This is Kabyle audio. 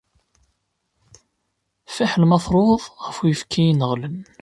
Fiḥel ma truḍ ɣef uyefki ineɣlen.